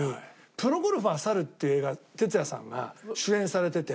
『プロゴルファー猿』っていう映画鉄矢さんが主演されてて。